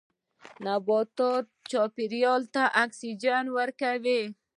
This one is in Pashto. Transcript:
نباتات چاپیریال ته اکسیجن ورکوي